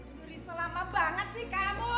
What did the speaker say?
ngeri selama banget sih kamu